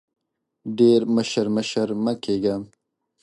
ډېر مشر مشر مه کېږه !